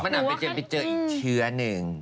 มันอาจจะไปเจออีกเชื้อนึง